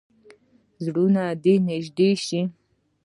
زړونه دې نږدې شي.